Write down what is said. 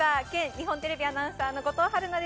日本テレビアナウンサーの後藤晴菜です。